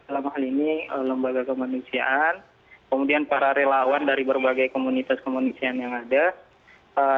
dalam hal ini lembaga kemanusiaan kemudian para relawan dari berbagai komunitas kemanusiaan yang ada